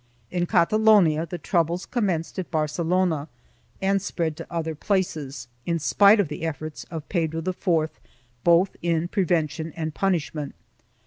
In Catalonia the troubles commenced at Barcelona and spread to other places, in spite of the efforts of Pedro IV, both in prevention and punishment.